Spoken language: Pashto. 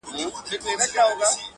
• او راته وايي دغه.